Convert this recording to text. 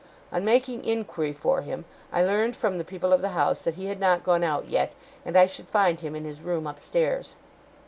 On making inquiry for him, I learned from the people of the house that he had not gone out yet, and I should find him in his room upstairs.